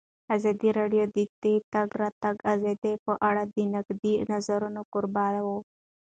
ازادي راډیو د د تګ راتګ ازادي په اړه د نقدي نظرونو کوربه وه.